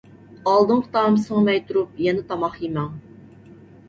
ئالدىنقى تائام سىڭمەي تۇرۇپ يەنە تاماق يېمەڭ.